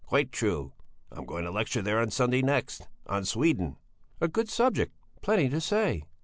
"Quite true; I'm going to lecture there on Sunday next, on Sweden." "A good subject! Plenty to say!"